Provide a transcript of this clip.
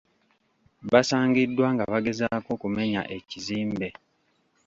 Basangiddwa nga bagezaako okumenya ekizimbe.